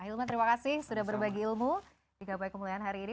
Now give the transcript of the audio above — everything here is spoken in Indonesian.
hilman terima kasih sudah berbagi ilmu di gapai kemuliaan hari ini